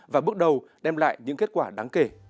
và bước đầu đem lại những kết quả